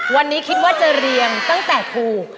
วันนี้คิดว่าจะเรียงตั้งแต่ครู